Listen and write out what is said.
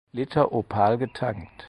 Liter Opal getankt.